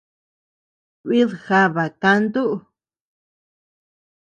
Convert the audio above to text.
Kuid jaba kaantu.